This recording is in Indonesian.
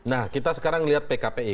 nah kita sekarang lihat pkpi